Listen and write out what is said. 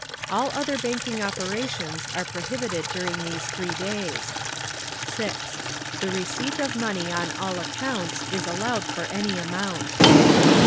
All other banking operations are prohibited during these three days. 6. The receipt of money on all accounts is allowed for any amount.